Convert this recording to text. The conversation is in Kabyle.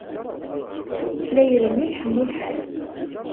La irennu iḥemmu lḥal.